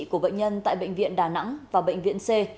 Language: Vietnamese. của bệnh nhân tại bệnh viện đà nẵng và bệnh viện c